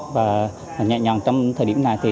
và nhẹ nhàng trong thời điểm này